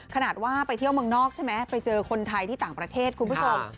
ขนาดว่าไปเที่ยวเมืองนอกใช่ไหมไปเจอคนไทยที่ต่างประเทศคุณผู้ชม